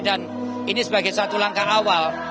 dan ini sebagai satu langkah awal